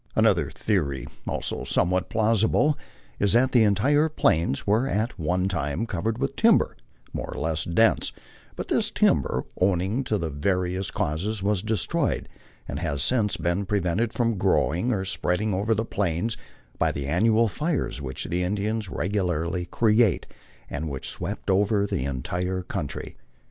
An other theory, also somewhat plausible, is that the entire Plains were at one time covered with timber more or less dense, but this timber, owing to various causes, was destroyed, and has since been prevented from growing or spread ing over the Plains by the annual fires which the Indians regularly create, and which sweep over the entire country.